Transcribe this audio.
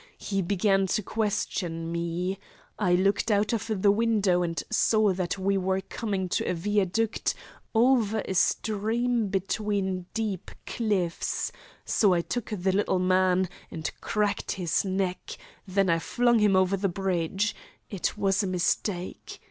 He began to question me. I looked out of the window and saw that we were coming to a viaduct over a stream between deep cliffs, so I took the little man and cracked his neck. Then I flung him over the bridge. It was a mistake.